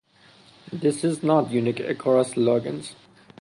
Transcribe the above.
This is not unique across logins